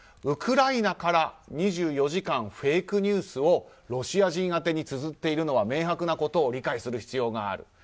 ウクライナから２４時間フェイクニュースをロシア人宛てにつづっているのは明白なことを理解する必要がある。